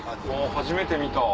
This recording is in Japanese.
初めて見た。